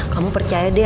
kamu percaya deh